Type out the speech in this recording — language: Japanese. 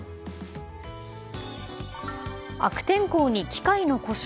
悪天候に機械の故障。